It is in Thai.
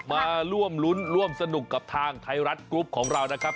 มาร่วมรุ้นร่วมสนุกกับทางไทยรัฐกรุ๊ปของเรานะครับ